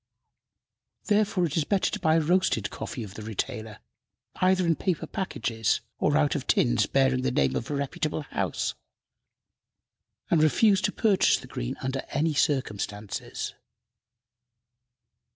Therefore it is better to buy roasted coffee of the retailer, either in paper packages or out of tins bearing the name of a reputable house, and refuse to purchase the green under any circumstances.